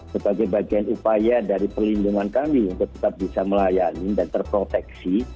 sebagai bagian upaya dari perlindungan kami untuk tetap bisa melayani dan terproteksi